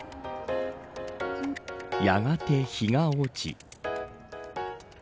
やがて日が落ち。